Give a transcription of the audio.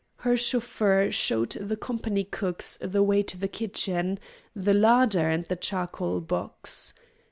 Her chauffeur showed the company cooks the way to the kitchen, the larder, and the charcoal box.